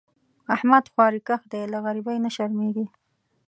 احمد خواریکښ دی؛ له غریبۍ نه شرمېږي.